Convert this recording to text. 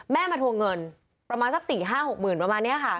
แม่มาทวงเงินประมาณสักสี่ห้าหกหมื่นประมาณเนี่ยค่ะ